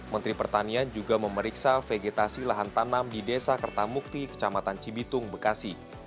menteri pertanian juga memeriksa vegetasi lahan tanam di desa kertamukti kecamatan cibitung bekasi